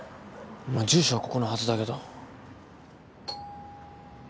住所はここのはずだけど。